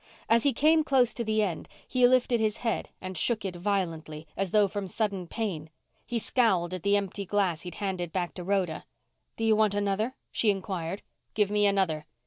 As he came close to the end, he lifted his head and shook it violently, as though from sudden pain. He scowled at the empty glass he'd handed back to Rhoda. "Do you want another?" she inquired. "Give me another."